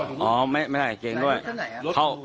อังเกงอ๋อไม่ใส่อังเกงด้วยท่านไหนอ่ะ